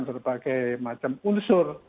berbagai macam unsur